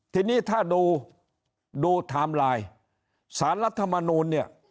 ทีนี้ถ้าดูดูไทม์ไลน์สารรัฐมนูลเนี่ย